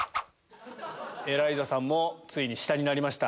エライザさんもついに下になりました。